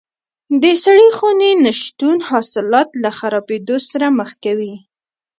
د سړې خونې نه شتون حاصلات له خرابېدو سره مخ کوي.